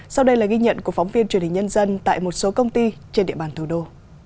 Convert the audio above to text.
sau đây là ghi nhận của phóng viên truyền hình nhân dân tại một số công ty trên địa bàn thủ đô